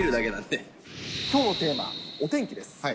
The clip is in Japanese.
きょうのテーマ、お天気です。